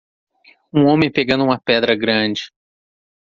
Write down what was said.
Um homem pegando uma pedra grande.